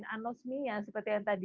penyakit ini yang seperti yang tadi